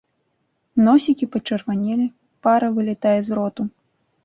Носікі пачырванелі, пара вылятае з роту.